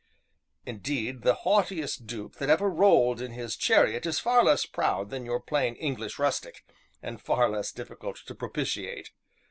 Indeed, the haughtiest duke that ever rolled in his chariot is far less proud than your plain English rustic, and far less difficult to propitiate.